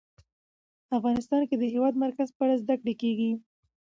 افغانستان کې د د هېواد مرکز په اړه زده کړه کېږي.